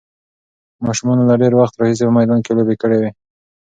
ماشومانو له ډېر وخت راهیسې په میدان کې لوبې کړې وې.